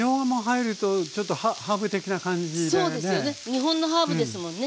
日本のハーブですもんね。